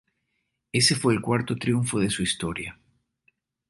Ese fue el cuarto triunfo de su historia.